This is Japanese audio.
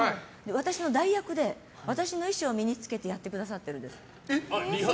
私の代役で私の衣装を身に着けてやってくださってるんです。